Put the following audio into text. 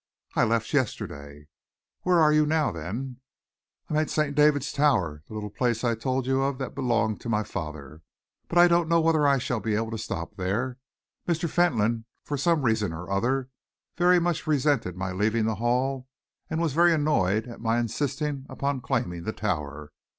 "I left yesterday." "Where are you now, then?" "I am at St. David's Tower the little place I told you of that belonged to my father but I don't know whether I shall be able to stop there. Mr. Fentolin, for some reason or other, very much resented my leaving the Hall and was very annoyed at my insisting upon claiming the Tower.